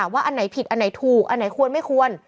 อันไหนผิดอันไหนถูกอันไหนควรไม่ควร